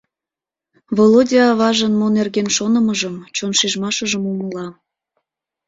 Володя аважын мо нерген шонымыжым, чон шижмашыжым умыла.